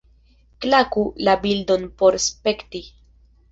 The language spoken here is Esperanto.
Klaku la bildon por spekti.